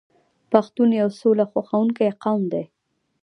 پښتون یو سوله خوښوونکی قوم دی.